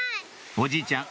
おじいちゃん